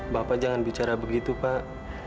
bapak jangan bicara begitu pak